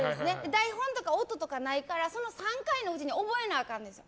台本と顔とか音かないからその３回のうちに覚えなあかんです。